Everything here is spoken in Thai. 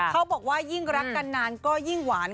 เขาบอกว่ายิ่งรักกันนานก็ยิ่งหวาน